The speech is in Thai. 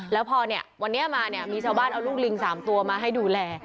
แล้วพอเนี่ยวันนี้มาเนี่ยมีชาวบ้านเอาลูกลิง๓ตัวมาให้ดูแล